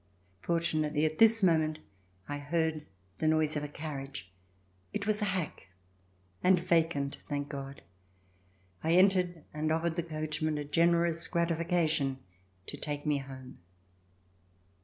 Fortunately, at this moment I heard the noise of a carriage. It was a hack, and vacant, thank God! I entered and offered the coachman a generous gratification to take me home.